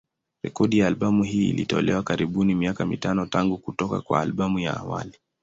Rekodi ya albamu hii ilitolewa karibuni miaka mitano tangu kutoka kwa albamu ya awali.